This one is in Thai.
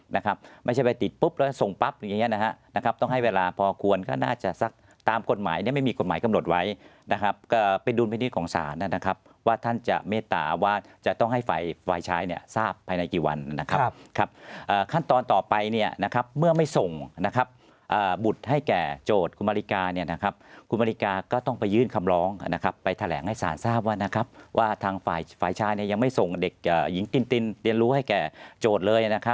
นะครับต้องให้เวลาพอควรก็น่าจะซักตามกฎหมายเนี่ยไม่มีกฎหมายกำหนดไว้นะครับก็ไปดูพินิษฐ์ของศาลนะครับว่าท่านจะเมตตาว่าจะต้องให้ฝ่ายฝ่ายชายเนี่ยทราบภายในกี่วันนะครับครับขั้นตอนต่อไปเนี่ยนะครับเมื่อไม่ส่งนะครับบุตรให้แก่โจทย์คุณมาริกาเนี่ยนะครับคุณมาริกาก็ต้องไปยื่นคำร้องนะคร